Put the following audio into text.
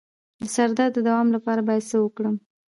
د سر درد د دوام لپاره باید څه وکړم؟